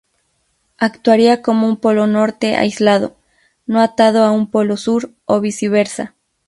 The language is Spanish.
Actuaría como un polo norte aislado, no atado a un polo sur, o viceversa.